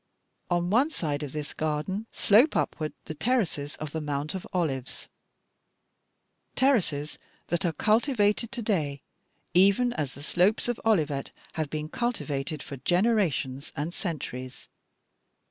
"'On one side of this garden slope upward the terraces of the Mount of Olives terraces that are cultivated to day even as the slopes of Olivet have been cultivated for generations and centuries.